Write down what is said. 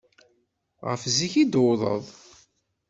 Ɣef zik i d-wwḍeɣ?